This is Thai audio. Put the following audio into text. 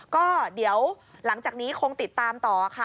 ก็เดี๋ยวหลังจากนี้คงติดตามต่อค่ะ